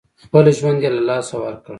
خپل ژوند یې له لاسه ورکړ.